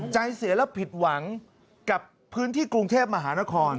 ใจเสียและผิดหวังกับพื้นที่กรุงเทพมหานคร